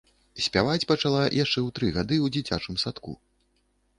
Спяваць пачала яшчэ ў тры гады ў дзіцячым садку.